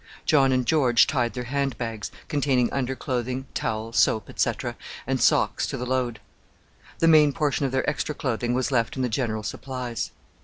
John and George tied their hand bags, containing underclothing, towel, soap, etc., and socks to the load. The main portion of their extra clothing was left in the general supplies.